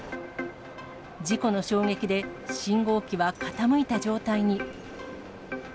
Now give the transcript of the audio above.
事故の衝撃で、信号機は傾いた状態に。